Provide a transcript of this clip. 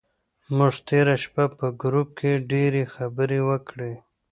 موږ تېره شپه په ګروپ کې ډېرې خبرې وکړې.